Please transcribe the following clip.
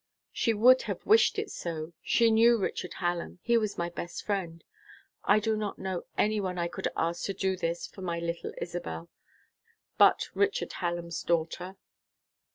"She would have wished it so. She knew Richard Hallam. He was my best friend. I do not know any one I could ask to do this for my little Isabel, but Richard Hallam's daughter."